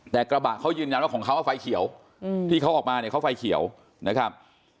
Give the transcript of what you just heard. แต่กระบะเขายืนยันว่าของเขาไฟเขียวที่เขาออกมาเนี่ยเขาไฟเขียวนะครับ